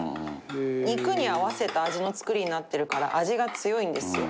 肉に合わせた味の作りになってるから味が強いんですよ。